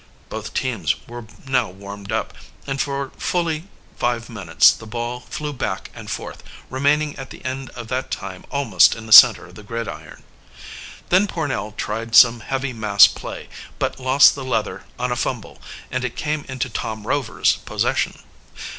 Both teams were now warmed up, and for fully five minutes the ball flew back and forth, remaining at the end of that time almost in the center of the gridiron. Then Pornell tried some heavy mass play, but lost the leather on a fumble, and it came into Tom Rover's possession.